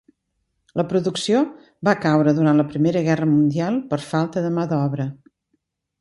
La producció va caure durant la primera guerra mundial per falta de mà d'obra.